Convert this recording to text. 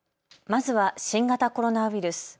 まずは新型コロナウイルス。